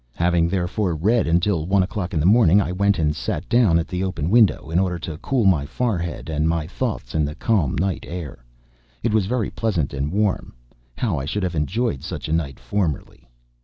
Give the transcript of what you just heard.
Having, therefore, read until one o'clock in the morning, I went and sat down at the open window, in order to cool my forehead and my thoughts, in the calm night air. It was very pleasant and warm! How I should have enjoyed such a night formerly!